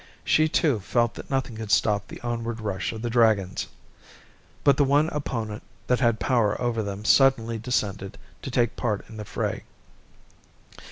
She, too, felt that nothing could stop the onward rush of the dragons. But the one opponent that had power over them suddenly descended to take part in the fray.